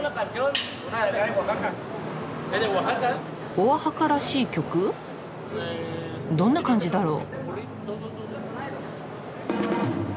オアハカらしい曲？どんな感じだろう？